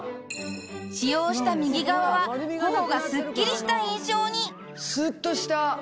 使用した右側は頬がすっきりした印象にスッとした。